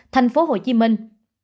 thành phố hồ chí minh